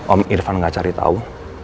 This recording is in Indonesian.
om irfan gak cari tahu